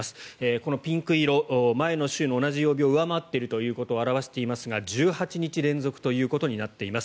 このピンク色前の週の同じ曜日を上回っているということを表していますが１８日連続ということになっています。